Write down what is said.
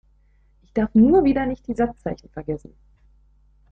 Ich darf nur wieder nicht die Satzzeichen vergessen.